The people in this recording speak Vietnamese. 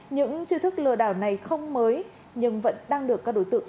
những chiêu thức lừa đảo này không mới nhưng vẫn đang được các đối tượng